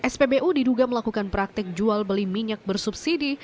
spbu diduga melakukan praktik jual beli minyak bersubsidi